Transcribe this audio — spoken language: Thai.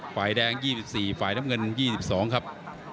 ฝ่ายแดง๒๔ฝ่ายน้ำเงิน๒๒ครับ